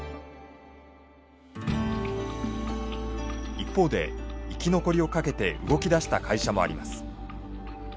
一方で生き残りをかけて動き出した会社もあります。